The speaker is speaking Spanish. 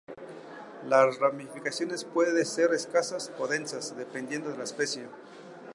Las ramificaciones puede ser escasas o densas, dependiendo de la especie.